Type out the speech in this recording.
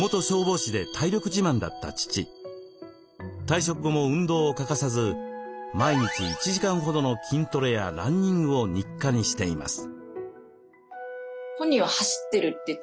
退職後も運動を欠かさず毎日１時間ほどの筋トレやランニングを日課にしています。